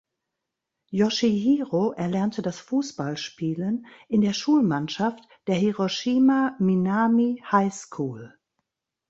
Yoshihiro erlernte das Fußballspielen in der Schulmannschaft der "Hiroshima Minami High School".